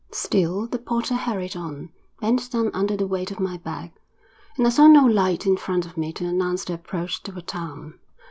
Still the porter hurried on, bent down under the weight of my bag, and I saw no light in front of me to announce the approach to a town.